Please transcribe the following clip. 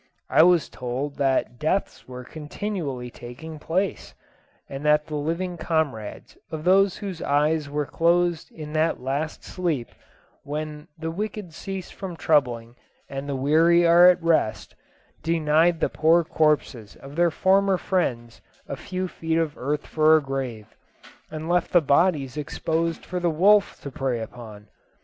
I was told that deaths were continually taking place, and that the living comrades of those whose eyes were closed in that last sleep when "the wicked cease from troubling and the weary are at rest," denied the poor corpses of their former friends a few feet of earth for a grave, and left the bodies exposed for the wolf to prey upon.